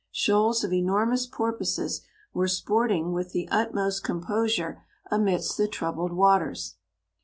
Shoals of enormous porpoises were sporting with the ut 81 most composure amidst the troubled waters.